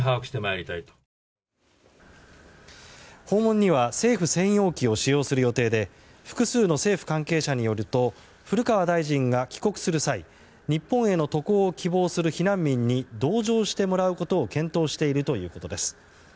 訪問には政府専用機を使用する予定で複数の政府関係者によると古川大臣が帰国する際日本への渡航を希望する避難民に同乗してもらうことを検討しているということです。